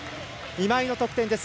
今井の得点です。